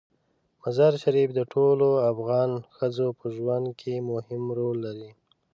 مزارشریف د ټولو افغان ښځو په ژوند کې مهم رول لري.